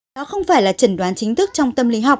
đó không phải là trần đoán chính thức trong tâm lý học